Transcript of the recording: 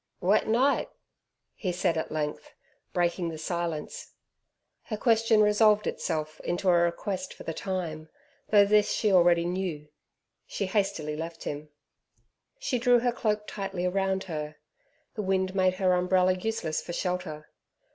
"Wet night!" he said at length, breaking the silence. Her question resolved itself into a request for the time, though this she already knew. She hastily left him. She drew her cloak tightly round her. The wind made her umbrella useless for shelter.